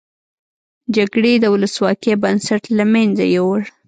جګړې د ولسواکۍ بنسټ له مینځه یوړ.